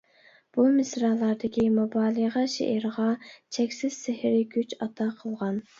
بۇ مىسرالاردىكى مۇبالىغە شېئىرغا چەكسىز سېھرىي كۈچ ئاتا قىلغان.